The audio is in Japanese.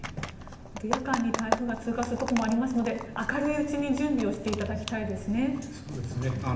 夜間に台風が通過するところもありますので明るいうちに準備をしていただきたいですね。